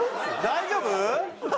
大丈夫？